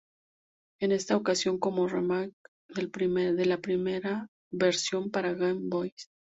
En esta ocasión como "remake" del primera versión para Game Boy.